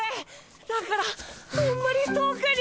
だからあんまり遠くに。